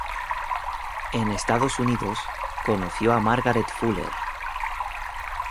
En Estados Unidos conoció a Margaret Fuller.